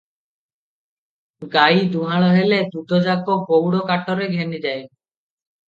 ଗାଈ ଦୁହାଁଳ ହେଲେ ଦୁଧଯାକ ଗଉଡ କାଟରେ ଘେନିଯାଏ ।